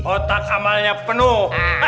otak amalnya penuh